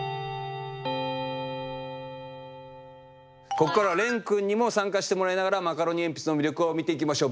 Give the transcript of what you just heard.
ここからはれんくんにも参加してもらいながらマカロニえんぴつの魅力を見ていきましょう。